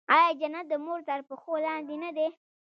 آیا جنت د مور تر پښو لاندې نه دی؟